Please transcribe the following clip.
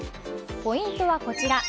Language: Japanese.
ポイントはこちら。